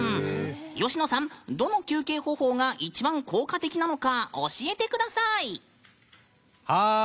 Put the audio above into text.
吉野さん、どの休憩方法が一番、効果的なのか教えてください。